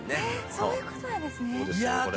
そういう事なんですね。